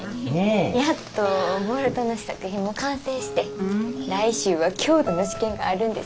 やっとボルトの試作品も完成して来週は強度の試験があるんです。